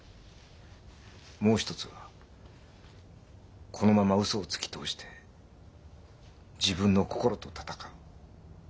もう一つはこのままウソをつき通して自分の心と闘う。